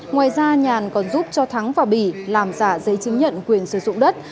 ngoài ra nhàn còn giúp cho thắng và bỉ làm giả giấy chứng nhận quyền sử dụng đất